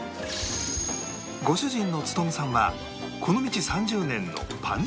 ご主人の努さんはこの道３０年のパン職人